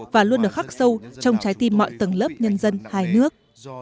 và luôn được khắc sâu trong trái tim mọi tầng lớp nhân dân hai nước